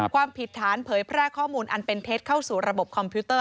ความผิดฐานเผยแพร่ข้อมูลอันเป็นเท็จเข้าสู่ระบบคอมพิวเตอร์